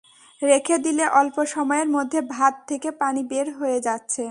রেখে দিলে অল্প সময়ের মধ্যে ভাত থেকে পানি বের হয়ে যাচ্ছে।